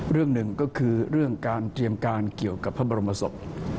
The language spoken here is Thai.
เรื่องหนึ่งก็คือเรื่องการเตรียมการเกี่ยวกับพระบรมศพ